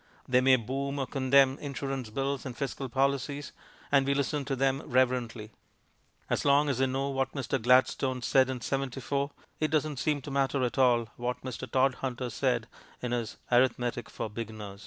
They may boom or condemn insurance bills and fiscal policies, and we listen to them reverently. As long as they know what Mr. Gladstone said in '74, it doesn't seem to matter at all what Mr. Todhunter said in his "Arithmetic for Beginners."